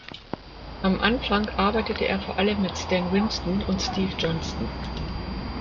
Am Anfang arbeitete er vor allem mit Stan Winston und Steve Johnston.